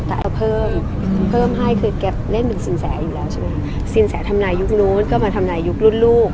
แต่เอาเพิ่มเพิ่มให้คือแกเล่นหนึ่งสินแสอยู่แล้วใช่ไหมคะสินแสทำนายยุคนู้นก็มาทำนายยุครุ่นลูก